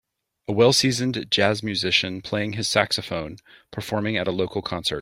A wellseasoned jazz musician playing his saxophone performing at a local concert.